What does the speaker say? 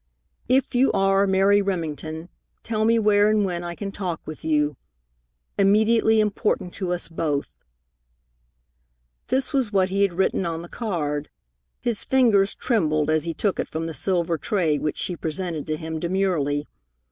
If you are "Mary Remington," tell me where and when I can talk with you. Immediately important to us both! This was what he had written on the card. His fingers trembled as he took it from the silver tray which she presented to him demurely.